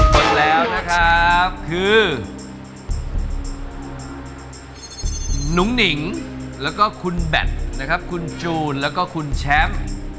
หมดแล้วนะครับคือนุ้งหนิงแล้วก็คุณแบตนะครับคุณจูนแล้วก็คุณแชมป์